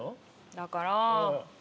だから。